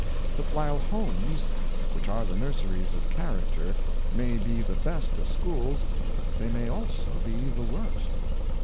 But while homes, which are the nurseries of charac ter, may be the best of schools, they may also be the worst.